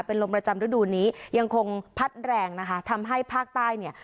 เป็นลมประจำฤดูนี้ยังคงพัดแรงนะคะทำให้ภาคใต้เนี่ย